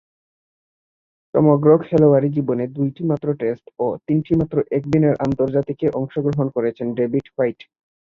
সমগ্র খেলোয়াড়ী জীবনে দুইটিমাত্র টেস্ট ও তিনটিমাত্র একদিনের আন্তর্জাতিকে অংশগ্রহণ করেছেন ডেভিড হোয়াইট।